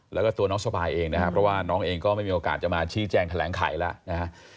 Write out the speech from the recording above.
แล้วก็ตัวน้องสบายเองนะครับเพราะว่าน้องเองก็ไม่มีโอกาสจะมาชี้แจงแถลงไขแล้วนะฮะ